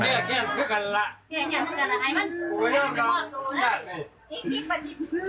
เห็นเห็นเหมือนกันเหรอไอ้มันมันมอบตัวเลย